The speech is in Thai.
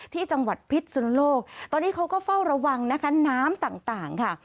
ที่จังหวัดพิษสุนโลกตอนนี้เขาก็เฝ้าระวังนะคะน้ำต่างต่างค่ะ